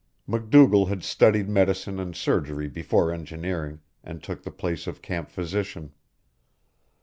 MacDougall had studied medicine and surgery before engineering, and took the place of camp physician.